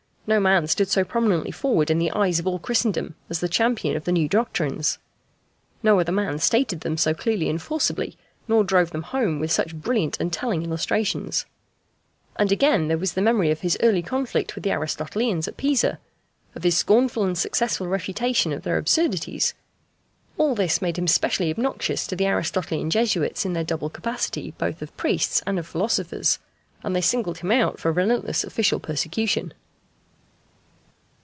No man stood so prominently forward in the eyes of all Christendom as the champion of the new doctrines. No other man stated them so clearly and forcibly, nor drove them home with such brilliant and telling illustrations. And again, there was the memory of his early conflict with the Aristotelians at Pisa, of his scornful and successful refutation of their absurdities. All this made him specially obnoxious to the Aristotelian Jesuits in their double capacity both of priests and of philosophers, and they singled him out for relentless official persecution.